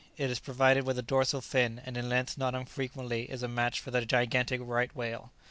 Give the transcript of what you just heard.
It is provided with a dorsal fin, and in length not unfrequently is a match for the gigantic Right whale.